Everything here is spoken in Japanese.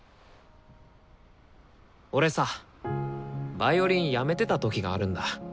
俺さヴァイオリン辞めてた時があるんだ。